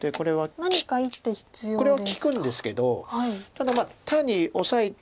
これは利くんですけどただ単にオサえて。